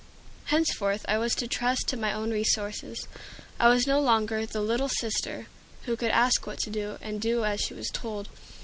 Henceforth I was to trust to my own resources. I was no longer the "little sister" who could ask what to do, and do as she was told.